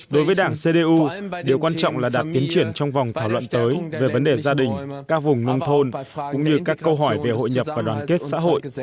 đối với đảng cdu điều quan trọng là đạt tiến triển trong vòng thảo luận tới về vấn đề gia đình các vùng nông thôn cũng như các câu hỏi về hội nhập và đoàn kết xã hội